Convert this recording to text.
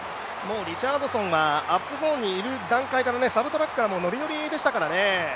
リチャードソンはアップゾーンにいる段階から、サブトラックからノリノリでしたからね。